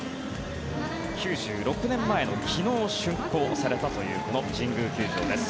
９６年前の昨日竣工されたというこの神宮球場です。